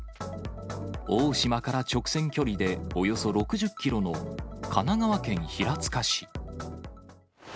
大島から直線距離でおよそ６０キロの神奈川県平塚市。